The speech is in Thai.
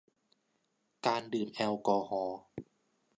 การดื่มแอลกอฮอล์